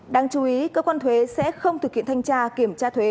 đáng chú ý cơ quan thuế sẽ không thực hiện thanh tra kiểm tra thuế